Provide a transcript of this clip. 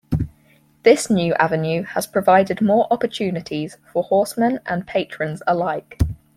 This new avenue has provided more opportunities for horsemen and patrons alike.